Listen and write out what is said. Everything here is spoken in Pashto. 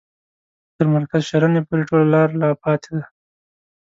تر مرکز شرنې پوري ټوله لار لا پاته ده.